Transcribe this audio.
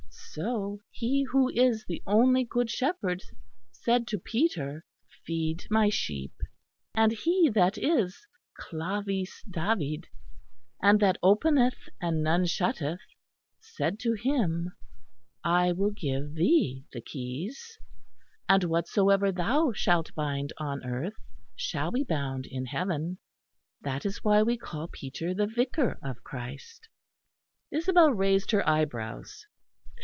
So he who is the only Good Shepherd, said to Peter, 'Feed My sheep'; and He that is Clavis David and that openeth and none shutteth said to him, 'I will give thee the keys, and whatsoever thou shalt bind on earth shall be bound in heaven.' That is why we call Peter the Vicar of Christ." Isabel raised her eyebrows.